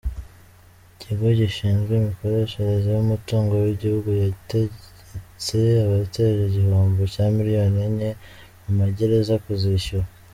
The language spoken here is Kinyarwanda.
Ikigo gishinzwe imikoreshereze yumutungo wigihugu yategetse abateje igihombo cya miliyoni enye mumagereza kuzishyura